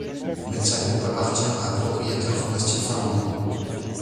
Metsä Group appartient à propriétaires forestiers finlandais.